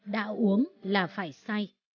đã uống là phải say